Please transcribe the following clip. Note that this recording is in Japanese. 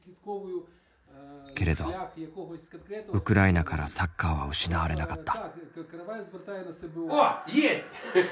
けれどウクライナからサッカーは失われなかった。